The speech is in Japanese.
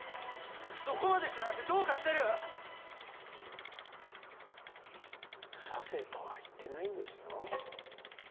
そこまでするなんてどうかしてるッ刺せとは言ってないんですよ